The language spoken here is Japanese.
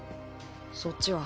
そっちは？